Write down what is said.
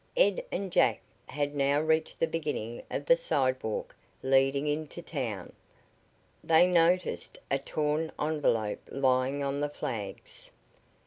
Ed and Jack had now reached the beginning of the sidewalk leading into town. They noticed a torn envelope lying on the flags.